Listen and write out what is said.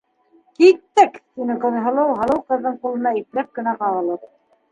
Киттек, - тине Көнһылыу һылыу ҡыҙҙың ҡулына ипләп кенә ҡағылып.